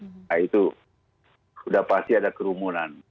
nah itu sudah pasti ada kerumunan